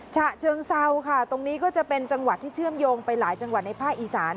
ฉะเชิงเซาค่ะตรงนี้ก็จะเป็นจังหวัดที่เชื่อมโยงไปหลายจังหวัดในภาคอีสาน